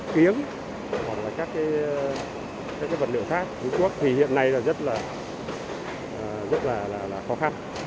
kiếng hoặc các vật liệu khác trung quốc thì hiện nay rất là khó khăn